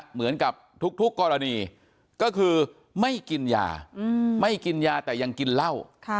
เหมือนกับทุกกรณีก็คือไม่กินยาไม่กินยาแต่ยังกินเหล้า